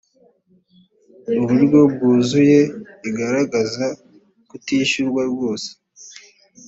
uburyo bwuzuye igaragaza kutishyurwa rwose